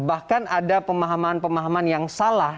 dan bahkan ada pemahaman pemahaman yang salah